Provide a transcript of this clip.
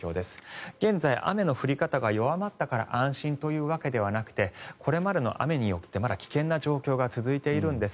現在雨の降り方が弱まったから安心というわけではなくてこれまでの雨によってまだ危険な状況が続いているんです。